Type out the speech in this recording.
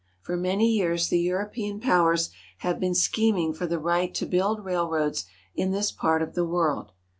For many years the European powers have been schem ing for the right to build railroads in this part of the world.